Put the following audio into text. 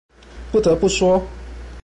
不得不說